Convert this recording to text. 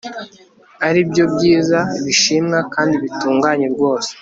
ari byo byiza bishimwa kandi bitunganye rwose